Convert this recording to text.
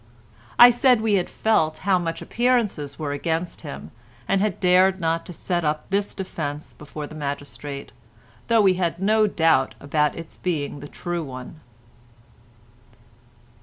I said we had felt how much appearances were against him, and had not dared to set up this defence before the magistrate, though we had no doubt about its being the true one.